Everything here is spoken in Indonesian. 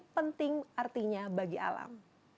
penting artinya bagi alam